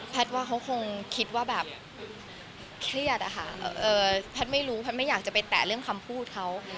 ว่าเขาคงคิดว่าแบบเครียดอะค่ะแพทย์ไม่รู้แพทย์ไม่อยากจะไปแตะเรื่องคำพูดเขา